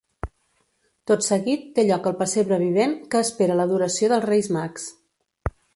Tot seguit, té lloc el pessebre vivent, que espera l'adoració dels reis Mags.